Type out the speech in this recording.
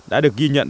đã được ghi nhận